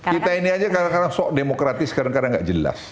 kita ini aja kadang kadang sok demokratis kadang kadang nggak jelas